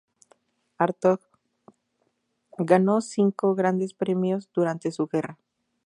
Hartog ganó cinco Grandes Premio durante su carrera.